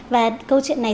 và câu chuyện này